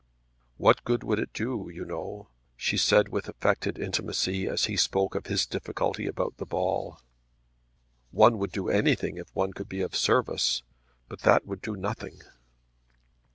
"What good would it do, you know?" she said with affected intimacy as he spoke of his difficulty about the ball. "One would do anything if one could be of service, but that would do nothing."